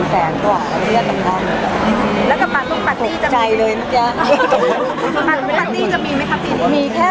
ฝากออกไม่ได้เลยนะ